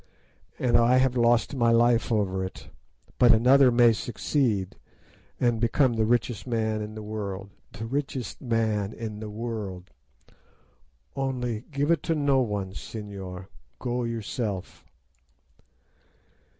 And I have lost my life over it, but another may succeed, and become the richest man in the world—the richest man in the world. Only give it to no one, señor; go yourself!